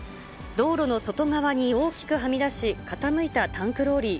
道路の外側に大きくはみ出し、傾いたタンクローリー。